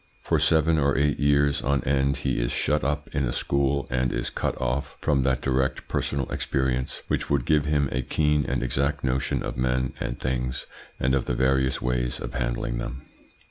For seven or eight years on end he is shut up in a school, and is cut off from that direct personal experience which would give him a keen and exact notion of men and things and of the various ways of handling them."